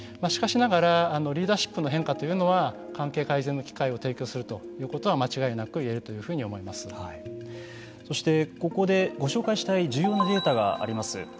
しかしながら、リーダーシップの変化というのは関係改善の機会を提供するということはそしてここでご紹介したい重要なデータがあります。